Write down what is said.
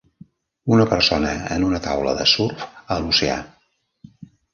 Una persona en una taula de surf a l'oceà